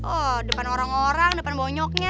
oh depan orang orang depan bonyoknya